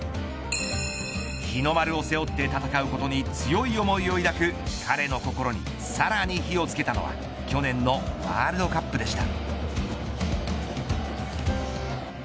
日の丸を背負って戦うことに強い思いを抱く彼の心にさらに火をつけたのは去年のワールドカップでした。